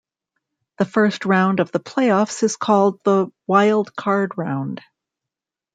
The first round of the playoffs is called the "Wild Card Round".